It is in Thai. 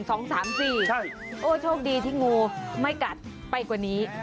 โอ้โหโชคดีที่งูไม่กัดไปกว่านี้